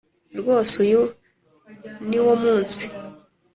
Rwose uyu ni wo munsi